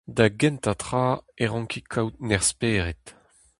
Da gentañ tra, e ranki kaout nerzh-spered.